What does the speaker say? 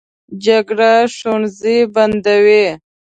جګړه ښوونځي بندوي